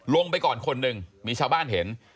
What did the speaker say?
ลงไปก่อนคนหนึ่งมีชาวบ้านเห็น